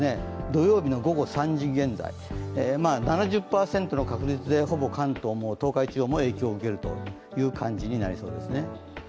土曜日の午後３時現在、７０％の確率でほぼ関東も東海地方も影響を受ける感じになりそうです。